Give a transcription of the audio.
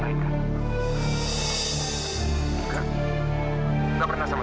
sampai ke tempat muamang